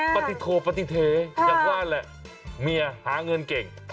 ปฏิโทปฏิเทอย่างว่าแหละเมียหาเงินเก่ง